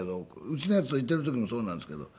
うちのヤツがいてる時もそうなんですけど。